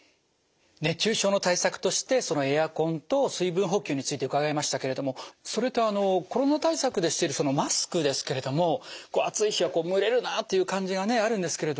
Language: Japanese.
熱中症の対策としてエアコンと水分補給について伺いましたけれどもそれとコロナ対策でしてるマスクですけれども暑い日は蒸れるなあっていう感じがねあるんですけれど。